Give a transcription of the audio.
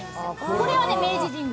これは明治神宮。